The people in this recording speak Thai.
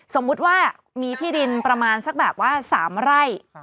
สมมุติว่ามีที่ดินประมาณสักแบบว่า๓ไร่